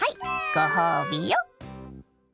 ご褒美よ。